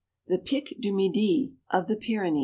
THE PIC DU MIDI OF THE PYRENEES.